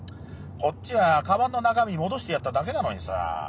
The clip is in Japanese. こっちはカバンの中身戻してやっただけなのにさ。